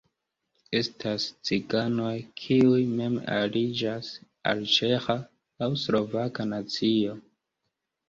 Estas ciganoj, kiuj mem aliĝas al ĉeĥa, aŭ slovaka nacio.